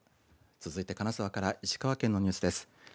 続いて金沢から石川県のニュースです。